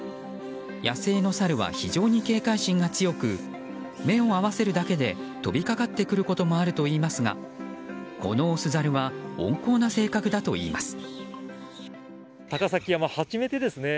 野生のサルは非常に警戒心が強く目を合わせるだけで飛びかかってくることもあるといいますがこのオスザルは温厚な性格だといいます。